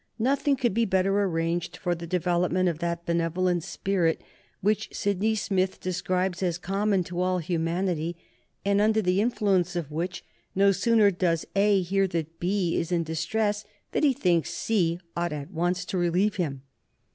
Nothing could be better arranged for the development of that benevolent spirit which Sydney Smith describes as common to all humanity, and under the influence of which no sooner does A hear that B is in distress than he thinks C ought at once to relieve him.